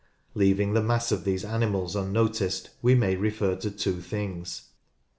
Leaving the mass of these animals unnoticed, we may refer to two things.